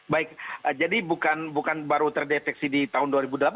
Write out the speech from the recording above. baik jadi bukan baru terdeteksi di tahun dua ribu delapan belas